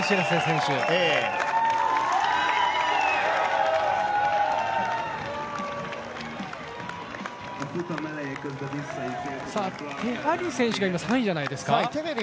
そしてテフェリ選手が今３位じゃないですか？